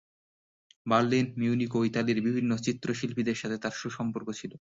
Berlin, Munich ও ইতালিতে বিভিন্ন চিত্রশিল্পীদের সাথে তার সুসম্পর্ক ছিল।